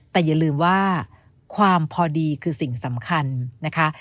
แต่อย่าลืมว่าความพอดีคือสิ่งสำคัญนะคะ